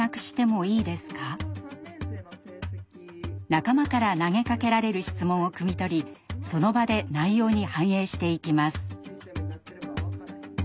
仲間から投げかけられる質問をくみ取りその場で内容に反映していきます。